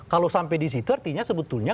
kalau sampai di situ artinya sebetulnya